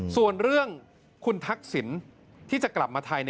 ส่วนเรื่องคุณทักษิณที่จะกลับมาไทย